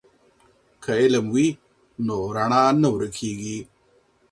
که علم وي نو رڼا نه ورکیږي.